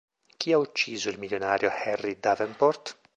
Chi ha ucciso il milionario Harry Davenport?